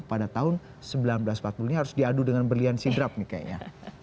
pada tahun seribu sembilan ratus empat puluh ini harus diadu dengan berlian sidrap nih kayaknya